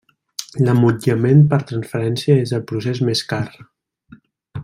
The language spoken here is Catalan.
L'emmotllament per transferència és el procés més car.